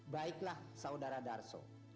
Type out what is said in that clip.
baiklah saudara darso